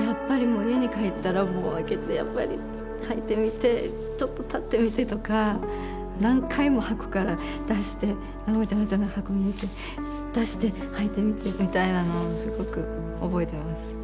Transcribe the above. やっぱり家に帰ったらもう開けて履いてみてちょっと立ってみてとか何回も箱から出してまた箱に入れて出して履いてみてみたいなのをすごく覚えてます。